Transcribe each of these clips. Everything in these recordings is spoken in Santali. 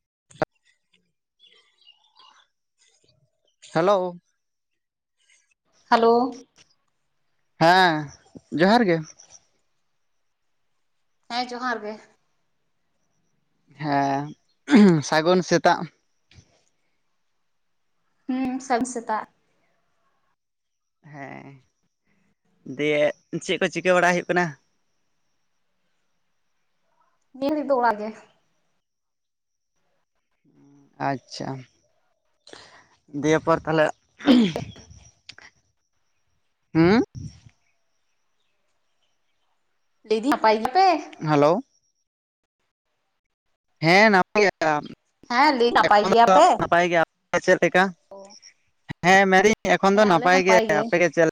[inaudible] ᱦᱮᱞᱳ ᱾ ᱦᱟᱞᱳ ᱾ ᱦᱮᱸ ᱡᱚᱦᱟᱨ ᱜᱮ ᱾ ᱦᱮᱸ ᱡᱚᱦᱟᱨ ᱜᱮ ᱾ ᱦᱮᱸ ᱥᱟᱹᱜᱩᱱ ᱥᱮᱛᱟᱜ ᱾ ᱦᱩᱸ ᱥᱟᱜ ᱥᱮᱛᱟᱜ ᱾ ᱦᱮᱸ ᱫᱤᱭᱮ ᱪᱮᱫ ᱠᱚ ᱪᱤᱠᱟᱹ ᱵᱟᱲᱟ ᱦᱩᱭᱩᱜ ᱠᱟᱱᱟ? ᱱᱤᱥ ᱫᱚ ᱚᱲᱟᱜ ᱜᱮ [unintelligible] ᱟᱪᱪᱷᱟ ᱫᱤᱭᱮ ᱯᱚᱨ ᱛᱟᱦᱚᱞᱮᱼᱼ ᱦᱩᱸ [inaudible] [inaudible] ᱱᱟᱯᱟᱭ ᱜᱮᱭᱟ ᱯᱮ ᱦᱟᱞᱳ ᱾ ᱦᱮᱸ ᱱᱟᱢᱟᱭ [inaudible] ᱦᱮᱸ ᱞᱟᱹᱭ ᱱᱟᱯᱟᱭ ᱜᱮᱭᱟ ᱛᱚ ᱾ ᱪᱮᱫ ᱞᱮᱠᱟ, ᱦᱮᱸ ᱢᱮᱲᱤ ᱮᱠᱷᱚᱱ ᱫᱚ ᱦᱮᱸ ᱟᱞᱮ ᱱᱟᱯᱟᱭ ᱦᱚᱸ ᱜᱮ ᱟᱯᱮᱜᱮ ᱪᱮᱫ ᱼᱼ [inaudible]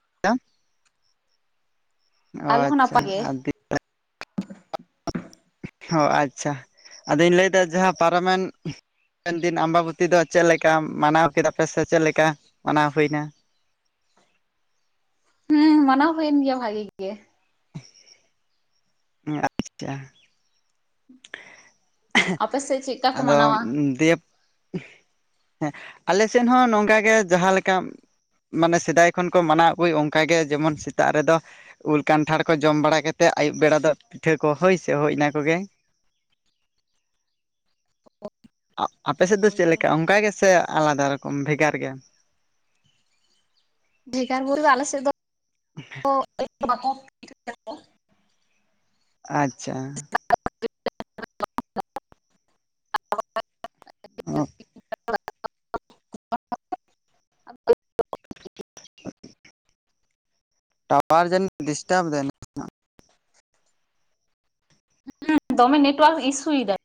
ᱟᱞᱮ ᱦᱚᱸ ᱟᱪᱪᱷᱟ ᱱᱟᱯᱟᱭ ᱜᱮ ᱟᱨ ᱫᱤ ᱦᱚ ᱟᱪᱪᱷᱟ, ᱟᱫᱚᱧ ᱞᱟᱹᱭᱫᱟ ᱡᱟᱦᱟᱸ ᱯᱟᱨᱚᱢᱮᱱᱼᱼ ᱦᱟᱯᱮᱱ ᱫᱤᱱ ᱟᱢᱵᱟᱵᱚᱛᱤ ᱫᱚ ᱪᱮᱫ ᱞᱮᱠᱟ ᱢᱟᱱᱟᱣ ᱠᱮᱫᱟ ᱯᱮ ᱥᱮ ᱪᱮᱫ ᱞᱮᱠᱟ ᱢᱟᱱᱟᱣ ᱦᱩᱭᱱᱟ? ᱦᱩᱸ ᱢᱟᱱᱟᱣ ᱦᱩᱭᱮᱱ ᱜᱮᱭᱟ ᱵᱷᱟᱜᱤ ᱜᱮ? ᱩᱦ [unintelligible] [unintelligible] ᱟᱯᱮ ᱥᱮᱫ ᱪᱮᱫ ᱞᱮᱠᱟ ᱠᱚ ᱟᱫᱚ ᱢᱟᱱᱟᱣᱟ ᱫᱮᱯ ᱦᱮᱸ ᱟᱞᱮ ᱥᱮᱫ ᱦᱚᱸ ᱱᱚᱝᱠᱟ ᱜᱮ ᱡᱟᱦᱟᱸ ᱞᱮᱠᱟ ᱢᱟᱱᱮ ᱥᱮᱫᱟᱭ ᱠᱷᱚᱱ ᱠᱚ ᱢᱟᱱᱟᱣ ᱟᱹᱜᱩᱭ ᱚᱱᱠᱟᱜᱮ ᱡᱮᱢᱚᱱ ᱥᱮᱛᱟᱜ ᱨᱮᱫᱚ ᱩᱞ ᱠᱟᱱᱴᱷᱟᱲ ᱠᱚ ᱡᱚᱢ ᱵᱟᱲᱟ ᱠᱟᱛᱮᱫ ᱟᱹᱭᱩᱵ ᱵᱮᱲᱟ ᱫᱚ ᱯᱤᱴᱷᱟᱹ ᱠᱚ ᱦᱳᱭ ᱥᱮ ᱦᱳᱭ ᱤᱱᱟᱹ ᱠᱚᱜᱮ ᱟᱯᱮᱥᱮᱫ ᱫᱚ ᱪᱮᱫ ᱦᱳᱭᱛᱚ ᱞᱮᱠᱟ ᱚᱱᱠᱟ ᱜᱮ ᱥᱮ ᱟᱞᱟᱫᱟ ᱨᱚᱠᱚᱢ ᱵᱷᱮᱜᱟᱨ ᱜᱮᱭᱟ ᱵᱷᱮᱜᱟᱨ ᱵᱚᱞᱮ ᱫᱚ [unintelligible] ᱟᱪᱪᱷᱟ ᱚ [unintelligible] ᱴᱟᱣᱟᱨ ᱡᱟᱹᱱᱤᱡ ᱰᱤᱥᱴᱟᱵᱽ ᱫᱟᱭ ᱱᱟᱥᱮᱱᱟᱜ [unintelligible] ᱫᱚᱢᱮ ᱱᱮᱴᱣᱟᱨᱠ ᱤᱥᱥᱩ ᱮᱫᱟᱭ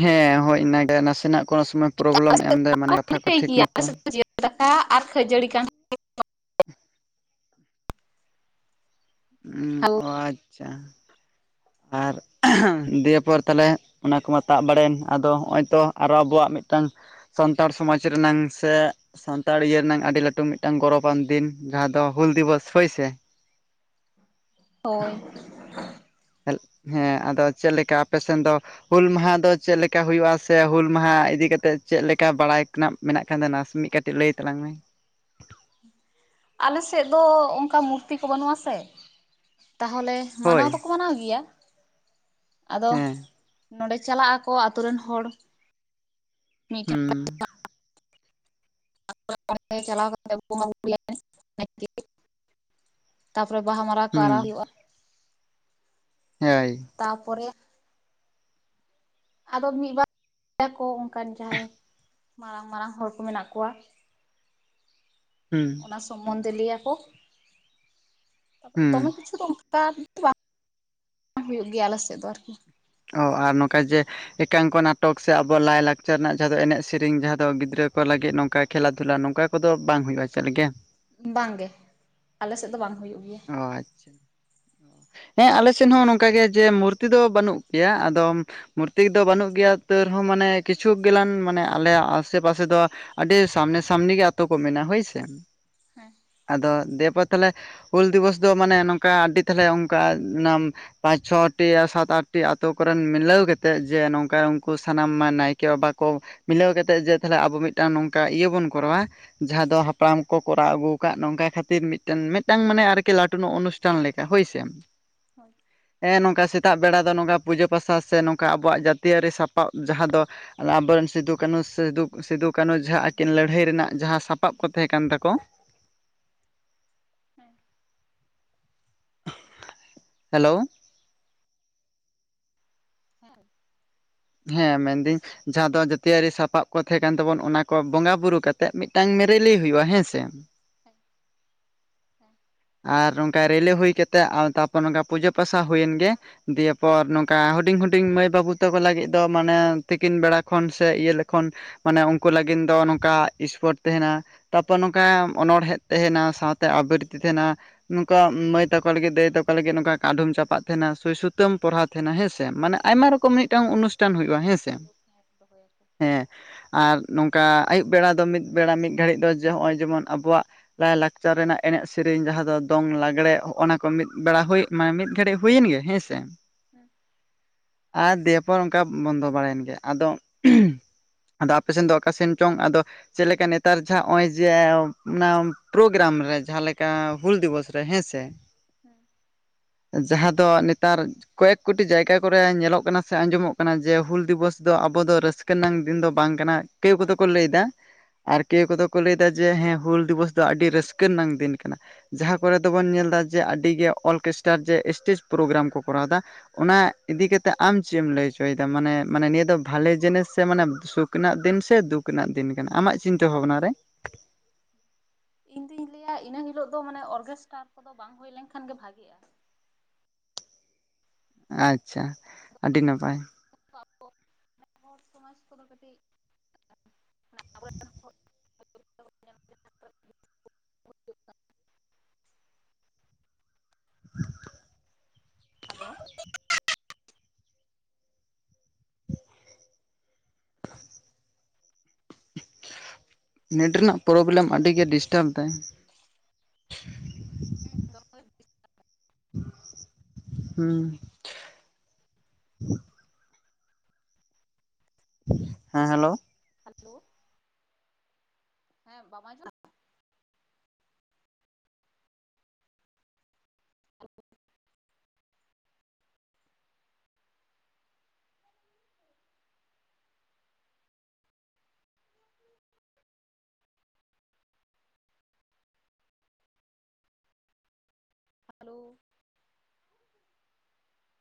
ᱦᱮᱸ ᱦᱳᱭ ᱤᱱᱟᱹᱜᱮ ᱱᱟᱥᱮᱱᱟᱜ ᱠᱳᱱᱳ ᱥᱚᱢᱚᱭ ᱯᱨᱚᱵᱞᱮᱢ ᱮᱢᱫᱟᱭ ᱢᱟᱱᱮ ᱠᱟᱛᱷᱟ ᱠᱚ ᱴᱷᱤᱠ [unintelligible] ᱢᱚᱛᱚ ᱟᱞᱮ ᱥᱮᱫ ᱫᱚ ᱡᱤᱞ ᱫᱟᱠᱟ ᱟᱨ ᱠᱷᱟᱹᱡᱟᱹᱲᱤ ᱠᱟᱱ ᱚ ᱟᱪᱪᱷᱟ ᱟᱨ ᱫᱤᱭᱮ ᱯᱚᱨ ᱛᱟᱦᱚᱞᱮ ᱚᱱᱟ ᱠᱚᱢᱟ ᱛᱟᱵ ᱵᱟᱲᱟᱭᱮᱱ ᱟᱫᱚ ᱦᱚᱸᱜᱼᱚᱭ ᱛᱚ ᱟᱨᱚ ᱟᱵᱚᱣᱟᱜ ᱢᱤᱫᱴᱟᱝ ᱥᱟᱱᱛᱟᱲ ᱥᱚᱢᱟᱡᱽ ᱨᱮᱱᱟᱝ ᱥᱮ ᱥᱟᱱᱛᱟᱲ ᱤᱭᱟᱹᱱᱟᱝ ᱟᱹᱰᱤ ᱞᱟᱹᱴᱩ ᱢᱤᱫᱴᱟᱝ ᱜᱚᱨᱚᱵᱟᱱ ᱫᱤᱱ ᱡᱟᱦᱟᱸ ᱫᱚ ᱦᱩᱞ ᱫᱤᱵᱚᱥ ᱦᱳᱭ ᱥᱮ ᱦᱳᱭ [unintelligible] ᱦᱮᱸ ᱟᱫᱚ ᱪᱮᱫ ᱞᱮᱠᱟ ᱟᱯᱮᱥᱮᱫ ᱫᱚ ᱦᱩᱞ ᱢᱟᱦᱟ ᱫᱚ ᱪᱮᱫ ᱞᱮᱠᱟ ᱦᱩᱭᱩᱜᱼᱟ ᱥᱮ ᱦᱩᱞ ᱢᱟᱦᱟ ᱤᱫᱤ ᱠᱟᱛᱮᱜ ᱪᱮᱫ ᱞᱮᱠᱟ ᱵᱟᱲᱟᱭ ᱠᱟᱱᱟᱯ ᱢᱮᱱᱟᱜ ᱠᱷᱟᱱ ᱫᱚ ᱱᱟᱥᱮᱱᱤᱡ ᱠᱟᱹᱴᱤᱡ ᱞᱟᱹᱭ ᱛᱟᱞᱟᱝ ᱢᱮ ᱟᱞᱮᱥᱮᱫ ᱫᱚ ᱚᱱᱠᱟ ᱢᱩᱨᱛᱤ ᱠᱚ ᱵᱟᱹᱱᱩᱜᱼᱟ ᱥᱮ ᱛᱟᱦᱚᱞᱮ ᱦᱳᱭ ᱢᱟᱱᱟᱣ ᱫᱚᱠᱚ ᱢᱟᱱᱟᱣ ᱜᱮᱭᱟ᱾ ᱟᱫᱚ ᱦᱮᱸ ᱱᱚᱰᱮ ᱪᱟᱞᱟᱜ ᱟᱠᱚ ᱟᱹᱛᱩ ᱨᱮᱱ ᱦᱚᱲ ᱢᱤᱜ ᱦᱩᱸ [unintelligible] ᱪᱟᱞᱟᱣ ᱠᱟᱛᱮ ᱩᱱᱠᱩ ᱦᱚᱢ [unintelligible] ᱛᱟᱯᱚᱨᱮ ᱵᱟᱦᱟ ᱢᱟᱨᱟ ᱠᱚ ᱦᱩᱸ ᱟᱨᱟᱣ ᱦᱩᱭᱩᱜᱼᱟ᱾ ᱦᱮᱭ ᱛᱟᱯᱚᱨᱮ ᱟᱫᱚ ᱢᱤᱫ ᱵᱟᱨᱭᱟᱠᱚ ᱚᱱᱠᱟᱱ ᱡᱟᱦᱟᱸᱭ ᱢᱟᱨᱟᱝᱼᱢᱟᱨᱟᱝ ᱦᱚᱲ ᱠᱚ ᱢᱮᱱᱟᱜ ᱠᱚᱣᱟ᱾ ᱦᱩᱸ ᱚᱱᱟ ᱥᱚᱢᱵᱚᱱᱫᱷᱮ ᱞᱟᱹᱭ ᱟᱠᱚ ᱛᱟᱯᱚᱨᱮ ᱦᱩᱸ ᱫᱚᱢᱮ ᱠᱤᱪᱷᱩ ᱫᱚ [unintelligible] ᱦᱩᱭᱩᱜ ᱜᱮᱭᱟ ᱟᱞᱮ ᱥᱮᱫ ᱫᱚ ᱟᱨᱠᱤ ᱚ ᱟᱨ ᱱᱚᱝᱠᱟ ᱡᱮ ᱮᱠᱟᱝᱠᱚ ᱱᱟᱴᱚᱠ ᱥᱮ ᱟᱵᱚᱣᱟᱜ ᱞᱟᱭᱼᱞᱟᱠᱪᱟᱨ ᱨᱮᱱᱟᱜ ᱡᱟᱦᱟᱸ ᱫᱚ ᱮᱱᱮᱡ ᱥᱮᱨᱮᱧ ᱡᱟᱦᱟᱸ ᱫᱚ ᱜᱤᱫᱽᱨᱟᱹ ᱠᱚ ᱞᱟᱹᱜᱤᱫ ᱱᱚᱝᱠᱟ ᱠᱷᱮᱞᱟ ᱛᱷᱩᱞᱟ ᱱᱚᱝᱠᱟ ᱠᱚᱫᱚ ᱵᱟᱝ ᱦᱩᱭᱩᱜᱼᱟ ᱪᱮᱫ ᱞᱮᱜᱮ ᱵᱟᱝ ᱜᱮ ᱟᱞᱮᱥᱮᱫ ᱫᱚ ᱵᱟᱝ ᱦᱩᱭᱩᱜ ᱜᱮᱭᱟ᱾ ᱚ ᱟᱪᱪᱷᱟ ᱦᱮᱸ ᱟᱞᱮ ᱥᱮᱫ ᱦᱚᱸ ᱱᱚᱝᱠᱟ ᱜᱮ ᱡᱮ ᱢᱩᱨᱛᱤ ᱫᱚ ᱵᱟᱹᱱᱩᱜ ᱯᱮᱭᱟ ᱟᱫᱚᱢ ᱢᱩᱨᱛᱤ ᱫᱚ ᱵᱟᱹᱱᱩᱜ ᱜᱮᱭᱟ ᱛᱟᱹᱣ ᱨᱮᱦᱚᱸ ᱢᱟᱱᱮ ᱠᱤᱪᱷᱩ ᱜᱮᱞᱟᱱ ᱢᱟᱱᱮ ᱟᱞᱮ ᱟᱜ ᱟᱥᱮ ᱯᱟᱥᱮ ᱫᱚ ᱟᱹᱰᱤ ᱥᱟᱢᱱᱮ ᱥᱟᱹᱢᱱᱤ ᱜᱮ ᱟᱛᱚ ᱠᱚ ᱢᱮᱱᱟᱜ ᱦᱳᱭ ᱥᱮ, ᱦᱮᱸ ᱟᱫᱚ ᱫᱮ ᱵᱟ- ᱛᱟᱦᱚᱞᱮ ᱦᱩᱞ ᱫᱤᱵᱚᱥ ᱫᱚ ᱢᱟᱱᱮ ᱱᱚᱝᱠᱟ ᱟᱹᱰᱤ ᱛᱟᱦᱚᱞᱮ ᱚᱱᱠᱟ ᱚᱱᱟᱢ ᱯᱟᱸᱪ ᱪᱷᱚᱴᱤ ᱥᱟᱛ ᱟᱴᱴᱤ ᱟᱛᱚ ᱠᱚᱨᱮᱱ ᱢᱤᱞᱟᱹᱣ ᱠᱟᱛᱮᱫ ᱡᱮ ᱱᱚᱝᱠᱟ ᱩᱱᱠᱩ ᱥᱟᱱᱟᱢ ᱱᱟᱭᱠᱮ ᱵᱟᱵᱟ ᱠᱚ ᱢᱤᱞᱟᱹᱣ ᱠᱟᱛᱮ ᱡᱮ ᱛᱟᱦᱞᱮ ᱟᱵᱚ ᱢᱤᱫᱴᱟᱱ ᱱᱚᱝᱠᱟ ᱤᱭᱟᱹ ᱵᱚᱱ ᱠᱚᱨᱟᱣᱟ ᱡᱟᱦᱟᱸ ᱫᱚ ᱦᱟᱯᱲᱟᱢ ᱠᱚ ᱠᱚᱨᱟᱣ ᱟᱹᱜᱩᱣ ᱠᱟᱫ ᱱᱚᱝᱠᱟ ᱠᱷᱟᱹᱛᱤᱨ ᱢᱤᱫᱴᱮᱱ ᱢᱤᱫ ᱢᱤᱫᱴᱟᱝ ᱢᱟᱱᱮ ᱟᱨᱠᱤ ᱞᱟᱹᱴᱩ ᱱᱚᱜ ᱚᱱᱩᱥᱴᱷᱟᱱ ᱞᱮᱠᱟ ᱦᱳᱭ ᱥᱮ᱾ ᱦᱳᱭ᱾ ᱦᱮᱸ ᱱᱚᱝᱠᱟ ᱥᱮᱛᱟᱜ ᱵᱮᱲᱟ ᱫᱚ ᱱᱚᱝᱠᱟ ᱯᱩᱡᱟᱹ ᱯᱟᱥᱟ ᱥᱮ ᱱᱚᱝᱠᱟ ᱟᱵᱚᱣᱟᱜ ᱡᱟᱹᱛᱤᱭᱟᱹᱨᱤ ᱥᱟᱯᱟᱵᱽ ᱡᱟᱦᱟᱸ ᱫᱚ ᱚᱱᱟ ᱟᱵᱚᱨᱮᱱ ᱥᱤᱫᱩ ᱠᱟᱱᱩ ᱥᱤᱫᱩ, ᱥᱤᱫᱩ ᱠᱟᱹᱱᱩ ᱡᱟᱦᱟᱸ ᱟᱹᱠᱤᱱ ᱞᱟᱹᱲᱦᱟᱹᱭ ᱨᱮᱱᱟᱜ ᱡᱟᱦᱟᱸ ᱥᱟᱯᱟᱵ ᱠᱚ ᱛᱟᱦᱮᱸ ᱠᱟᱱ ᱛᱟᱠᱚ᱾ ᱦᱮᱸ ᱦᱮᱞᱳ᱾ ᱦᱮᱸ᱾ ᱦᱮᱸ ᱢᱮᱱ ᱫᱤᱧ᱾ ᱡᱟᱦᱟᱸ ᱫᱚ ᱡᱟᱹᱛᱤᱭᱟᱹᱨᱤ ᱥᱟᱯᱟᱵ ᱠᱚ ᱛᱟᱦᱮᱸ ᱠᱟᱱ ᱛᱟᱵᱚᱱ ᱚᱱᱟ ᱠᱚ ᱵᱚᱸᱜᱟ ᱵᱩᱨᱩ ᱠᱟᱛᱮᱜ ᱢᱤᱫᱴᱟᱝ ᱨᱮᱞᱤ ᱦᱩᱭᱩᱜ-ᱟ ᱦᱮᱸ ᱥᱮ᱾ ᱦᱮᱸ ᱟᱨ ᱱᱚᱝᱠᱟ ᱨᱮᱞᱮ ᱦᱩᱭ ᱠᱟᱛᱮ ᱟᱨ ᱛᱟᱨᱯᱚᱨ ᱱᱚᱝᱠᱟ ᱯᱩᱡᱟᱹ ᱯᱟᱥᱟ ᱦᱩᱭᱮᱱ ᱜᱮ᱾ ᱫᱤᱭᱮ ᱯᱚᱨ ᱱᱚᱝᱠᱟ ᱦᱩᱰᱤᱧ ᱦᱩᱰᱤᱧ ᱢᱟᱹᱭ ᱵᱟᱹᱵᱩ ᱛᱟᱠᱚ ᱞᱟᱹᱜᱤᱫ ᱫᱚ ᱢᱟᱱᱮ ᱛᱤᱠᱤᱱ ᱵᱮᱲᱟ ᱠᱷᱚᱱ ᱥᱮ ᱤᱭᱟᱹ ᱞᱮᱠᱷᱚᱱ ᱢᱟᱱᱮ ᱩᱱᱠᱩ ᱞᱟᱹᱜᱤᱱ ᱫᱚ ᱱᱚᱝᱠᱟ ᱥᱯᱳᱴ ᱛᱟᱸᱦᱮᱱᱟ᱾ ᱛᱟᱯᱚᱨ ᱱᱚᱝᱠᱟ ᱚᱱᱚᱬᱦᱮᱸᱫ ᱛᱮᱸᱦᱮᱱᱟ ᱥᱟᱶᱛᱮ ᱟᱵᱨᱤ ᱛᱤ ᱛᱟᱸᱦᱮᱱᱟ ᱱᱚᱝᱠᱟ ᱢᱟᱹᱭ ᱛᱟᱠᱚ ᱞᱟᱹᱜᱤᱫ ᱫᱟᱹᱭ ᱛᱟ ᱠᱚ ᱞᱟᱹᱜᱤᱫ ᱱᱚᱝᱠᱟ ᱠᱟᱰᱷᱩᱢ ᱪᱟᱯᱟᱫ ᱛᱟᱸᱦᱮᱱᱟ, ᱥᱩᱭ ᱥᱩᱛᱟᱹᱢ ᱯᱚᱨᱦᱟ ᱛᱟᱸᱦᱮᱱᱟ ᱦᱮᱸ ᱥᱮ ᱢᱟᱱᱮ ᱟᱭᱢᱟ ᱨᱚ ᱠᱚᱢ ᱦᱮᱸ ᱢᱤᱫᱴᱟᱝ ᱚᱱᱩᱥᱴᱷᱟᱱ ᱟᱭᱢᱟ ᱦᱩᱭᱩᱜ-ᱟ ᱨᱚᱠᱚᱢ ᱦᱮᱸᱥᱮ, ᱠᱷᱮᱞᱳᱰ ᱦᱮᱸ ᱫᱚᱦᱚᱭᱟᱠᱚ ᱦᱮᱸ᱾ ᱟᱨ ᱱᱚᱝᱠᱟ ᱟᱹᱭᱩᱵ ᱵᱮᱲᱟ ᱫᱚ ᱢᱤᱫ ᱵᱮᱲᱟ ᱢᱤᱫ ᱜᱷᱟᱹᱲᱤᱡ ᱫᱚ ᱡᱮ ᱦᱚᱸᱜ-ᱚᱭ ᱡᱮᱢᱚᱱ ᱟᱵᱚᱣᱟᱜ ᱞᱟᱭ-ᱞᱟᱠᱪᱟᱨ ᱨᱮᱱᱟᱜ ᱮᱱᱮᱡ ᱥᱮ ᱥᱮᱨᱮᱧ ᱡᱟᱦᱟᱸ ᱫᱚ ᱫᱚᱝ ᱞᱟᱜᱽᱬᱮ ᱚᱱᱟ ᱠᱚ ᱢᱤᱫ ᱵᱮᱲᱟ ᱦᱩᱭ ᱢᱟᱱᱮ ᱢᱤᱫ ᱜᱷᱟᱹᱲᱤᱡ ᱦᱩᱭᱮᱱ ᱜᱮ ᱦᱮᱸ ᱥᱮ᱾ ᱦᱩᱸ᱾ ᱟᱨ ᱫᱤᱭᱮ ᱯᱚᱨ ᱚᱱᱠᱟ ᱵᱚᱱᱫᱚ ᱵᱟᱲᱟᱭᱮᱱ ᱜᱮ ᱟᱫᱚ᱾ ᱟᱫᱚ ᱟᱯᱮ ᱥᱮᱱ ᱫᱚ ᱚᱠᱟ ᱥᱮᱱ ᱪᱚᱝ ᱟᱫᱚ? ᱪᱮᱫ ᱞᱮᱠᱟ ᱱᱮᱛᱟᱨ ᱡᱟᱦᱟᱸ ᱦᱚᱸᱜ-ᱚᱭ ᱡᱮ ᱢᱟᱱᱮ ᱯᱨᱳᱜᱨᱟᱢ ᱨᱮ ᱡᱟᱦᱟᱸ ᱞᱮᱠ ᱠᱟ ᱦᱩᱞ ᱫᱤᱵᱚᱥ ᱨᱮ ᱦᱮᱸ ᱥᱮ᱾ ᱦᱮᱸ᱾ ᱡᱟᱦᱟᱸ ᱫᱚ ᱱᱮᱛᱟᱨ ᱠᱚᱭᱮᱠ ᱠᱳᱴᱤ ᱡᱟᱭᱜᱟ ᱠᱚᱨᱮ ᱧᱮᱞᱚᱜ ᱠᱟᱱᱟ ᱥᱮ ᱟᱸᱡᱚᱢᱚᱜ ᱠᱟᱱᱟ ᱡᱮ ᱦᱩᱞ ᱫᱤᱵᱚᱥ ᱫᱚ ᱟᱵᱚ ᱫᱚ ᱨᱟᱹᱥ ᱠᱟᱹ ᱱᱟᱝ ᱫᱤᱱ ᱫᱚ ᱵᱟᱝ ᱠᱟᱱᱟ᱾ ᱠᱮᱣ ᱠᱚᱫᱚ ᱵᱟᱝ ᱠᱚ ᱠᱟᱱᱟ ᱞᱟᱹᱭ ᱫᱟ ᱦᱮᱸ ᱟᱨ ᱠᱮᱣ ᱠᱚ ᱫᱚ ᱠᱚ ᱞᱟᱹᱭ ᱮᱫᱟ ᱡᱮ ᱦᱮᱸ ᱦᱩᱞ ᱫᱤᱵᱚᱥ ᱫᱚ ᱟᱹᱰᱤ ᱨᱟᱹᱥᱠᱟᱹ ᱨᱮᱱᱟᱝ ᱫᱤᱱ ᱠᱟᱱᱟ ᱡᱟᱦᱟᱸ ᱠᱚᱨᱮ ᱫᱚ ᱵᱚᱱ ᱧᱮᱞᱫᱟ ᱡᱮ ᱟᱹᱰᱤ ᱜᱮ ᱚᱨᱠᱮᱥᱴᱟᱨ ᱡᱮ ᱮᱥᱴᱮᱡᱽ ᱯᱨᱳᱜᱨᱟᱢ ᱠᱚ ᱠᱚᱨᱟᱣᱮᱫᱟ᱾ ᱚᱱᱟ ᱤᱫᱤ ᱠᱟᱛᱮᱜ ᱟᱢ ᱪᱮᱫ ᱮᱢ ᱞᱟᱹᱭ ᱦᱚᱪᱚᱭ ᱫᱟ ᱢᱟᱱᱮ ᱢᱟᱱᱮ ᱱᱤᱭᱟᱹ ᱫᱚ ᱵᱷᱟᱞᱮ ᱡᱤᱱᱤᱥ ᱥᱮ ᱢᱟᱱᱮ ᱥᱩ ᱨᱮᱱᱟᱜ ᱫᱤᱱ ᱥᱮ ᱫᱩᱠ ᱨᱮᱱᱟᱜ ᱫᱤᱱ ᱠᱟᱱᱟ ᱟᱢᱟᱜ ᱪᱤᱱᱛᱟᱹ ᱵᱷᱟᱵᱱᱟ ᱨᱮ? ᱤᱧ ᱫᱩᱧ ᱞᱟᱹᱭᱟ ᱤᱱᱟᱹ ᱦᱤᱞᱳᱜ ᱫᱚ ᱢᱟᱱᱮ ᱚᱨᱜᱮᱥᱴᱟᱨ ᱠᱚ ᱫᱚ ᱵᱟᱝ ᱦᱩᱭ ᱞᱮᱱᱠᱷᱟᱱ ᱜᱮ ᱵᱷᱟᱜᱮᱜ-ᱟ᱾ ᱟᱪᱪᱷᱟ ᱟᱹᱰᱤ ᱱᱟᱯᱟᱭ᱾ [unintelligible] ᱦᱚᱲ ᱥᱚᱢᱟᱡᱽ ᱠᱚᱫᱚ ᱠᱟᱹᱴᱤᱡ [unintelligible] [inaudible] ᱦᱮᱞᱳ᱾ [inaudible] ᱱᱮᱴ ᱨᱮᱱᱟᱜ ᱯᱨᱚᱵᱞᱮᱢ ᱟᱹᱰᱤ ᱜᱮ ᱰᱤᱥᱴᱟᱵᱽ ᱫᱟᱭ ᱦᱩᱸ ᱫᱚᱦᱚᱭ ᱵᱤᱱ᱾ ᱦᱩᱸ᱾ ᱦᱮᱸ ᱦᱮᱞᱳ᱾ ᱦᱮᱞᱳ᱾ ᱦᱮᱸ ᱵᱟᱢ ᱟᱸᱡᱚᱢ [unintelligible] ᱦᱟᱞᱳ